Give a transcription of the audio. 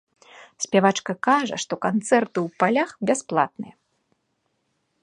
Спявачка кажа, што канцэрты ў палях бясплатныя.